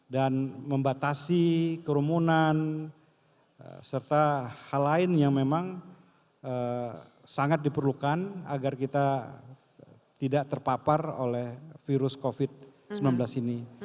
membatasi kerumunan serta hal lain yang memang sangat diperlukan agar kita tidak terpapar oleh virus covid sembilan belas ini